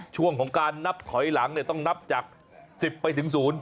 ช่วงของการนับถอยหลังเนี่ยต้องนับจาก๑๐ไปถึงศูนย์